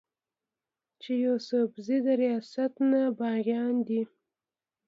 چې يوسفزي د رياست نه باغيان دي